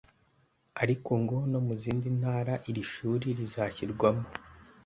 ariko ngo no mu zindi ntara iri shuri rizashyirwamo